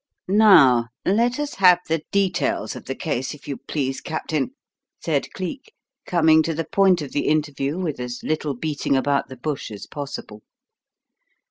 "Now let us have the details of the case, if you please, Captain," said Cleek, coming to the point of the interview with as little beating about the bush as possible.